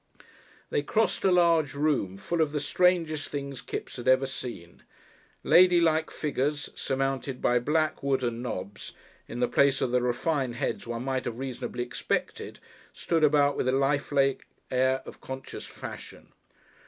They crossed a large room full of the strangest things Kipps had ever seen. Ladylike figures, surmounted by black wooden knobs in the place of the refined heads one might have reasonably expected, stood about with a lifelike air of conscious fashion.